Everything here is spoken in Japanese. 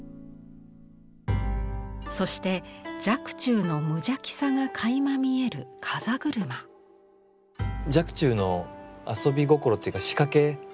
そして若冲の無邪気さがかいま見える若冲の遊び心っていうか仕掛けですね。